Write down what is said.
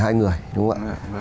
đó là hai người đúng không ạ